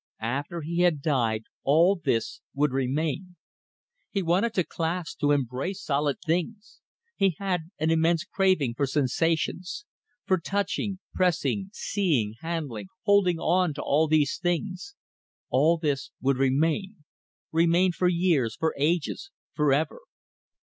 After he had died all this would remain! He wanted to clasp, to embrace solid things; he had an immense craving for sensations; for touching, pressing, seeing, handling, holding on, to all these things. All this would remain remain for years, for ages, for ever.